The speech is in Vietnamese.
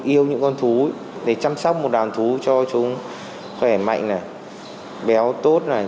yêu những con thú để chăm sóc một đàn thú cho chúng khỏe mạnh này béo tốt này